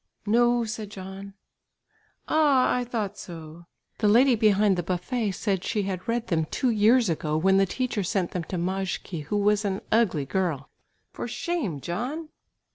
"No," said John. "Ah, I thought so. The lady behind the buffet said she had read them two years ago when the teacher sent them to Majke who was an ugly girl. For shame, John!"